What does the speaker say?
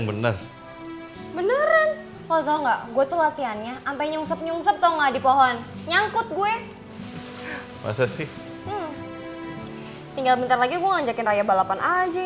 udah baik kan